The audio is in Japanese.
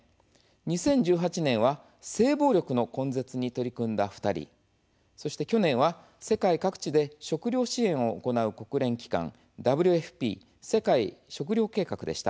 ２０１８年は性暴力の根絶に取り組んだ２人そして去年は世界各地で食糧支援を行う国連機関ＷＦＰ＝世界食糧計画でした。